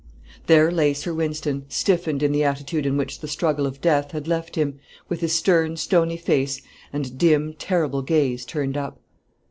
There lay Sir Wynston, stiffened in the attitude in which the struggle of death had left him, with his stern, stony face, and dim, terrible gaze turned up.